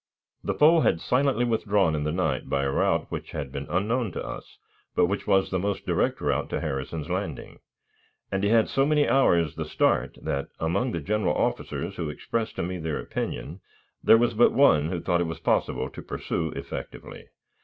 The foe had silently withdrawn in the night by a route which had been unknown to us, but which was the most direct road to Harrison's Landing, and he had so many hours the start, that, among the general officers who expressed to me their opinion, there was but one who thought it was possible to pursue effectively.